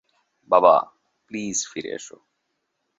বাবা, প্লিজ ফিরে এসো।